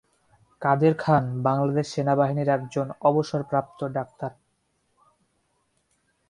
কাদের খান বাংলাদেশ সেনাবাহিনীর একজন অবসরপ্রাপ্ত ডাক্তার।